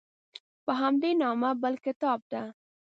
په همدې نامه بل کتاب ده.